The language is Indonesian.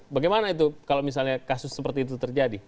bagaimana itu kalau misalnya kasus seperti itu terjadi